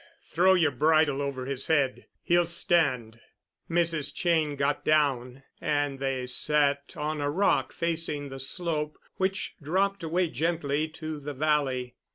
Throw your bridle over his head. He'll stand." Mrs. Cheyne got down, and they sat on a rock facing the slope, which dropped away gently to the valley.